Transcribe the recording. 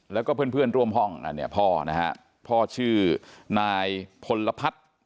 แล้วก็เพื่อนร่วมห้องอันนี้พ่อนะฮะพ่อชื่อนายพลพัฒน์